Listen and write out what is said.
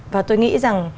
và tôi nghĩ rằng